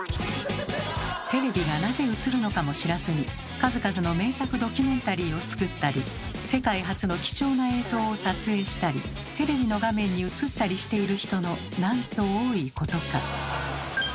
テレビがなぜ映るのかも知らずに数々の名作ドキュメンタリーを作ったり世界初の貴重な映像を撮影したりテレビの画面に映ったりしている人のなんと多いことか。